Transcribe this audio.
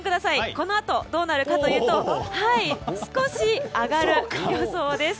このあと、どうなるかというと少し上がる予想です。